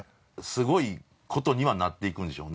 すごいことにはなっていくんでしょうな。